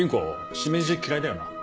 しめじ嫌いだよな？